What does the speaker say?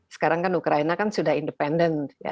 sekarang kan ukraina sudah independen